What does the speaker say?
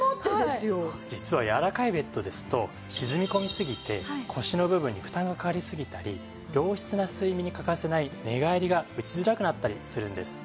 実は柔らかいベッドですと沈み込みすぎて腰の部分に負担がかかりすぎたり良質な睡眠に欠かせない寝返りが打ちづらくなったりするんです。